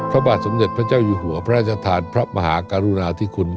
พระบาทสมเด็จพระเจ้าอยู่หัวพระราชทานพระมหากรุณาธิคุณ